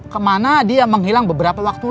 kemana dia menghilang beberapa waktu